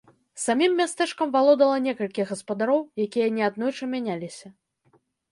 Самім мястэчкам валодала некалькі гаспадароў, якія неаднойчы мяняліся.